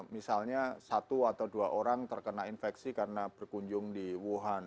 misalnya satu atau dua orang terkena infeksi karena berkunjung di wuhan